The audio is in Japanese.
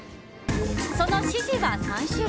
その指示は３種類。